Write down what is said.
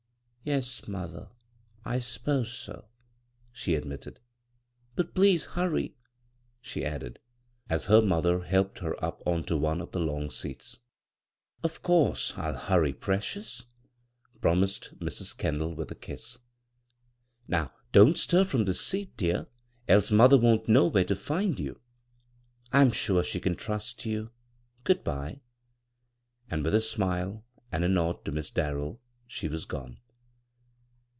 " Yes, mother, I s'pose so," she admitted ;" but please hurry," she added, as her mother helped her up on to one of the long seats. " Of course I'll hurry, precious," promised Mrs. Kendall with a kiss. " Now, don't stir from this scat, dear, else mother won't know where to find you. I'm sure she can trust you I Good bye." And with a smile and a Dod to Miss Darrell, she was gcxie.